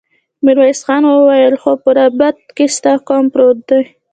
ميرويس خان وويل: خو په رباط کې ستا قوم پروت دی.